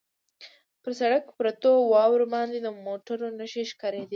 پر سړک پرتو واورو باندې د موټرو نښې ښکارېدې.